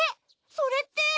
それって。